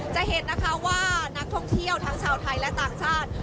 จะเห็นนะคะว่านักท่องเที่ยวทั้งชาวไทยและต่างชาติ